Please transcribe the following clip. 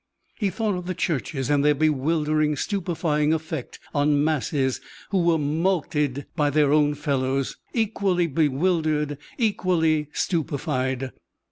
He thought of the churches and their bewildering, stupefying effect on masses who were mulcted by their own fellows, equally bewildered, equally stupefied.